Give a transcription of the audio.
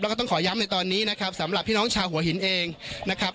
แล้วก็ต้องขอย้ำในตอนนี้นะครับสำหรับพี่น้องชาวหัวหินเองนะครับ